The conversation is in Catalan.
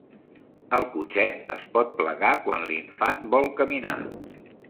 El cotxet es pot plegar quan l'infant vol caminar.